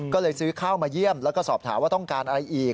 ก็เลยซื้อข้าวมาเยี่ยมแล้วก็สอบถามว่าต้องการอะไรอีก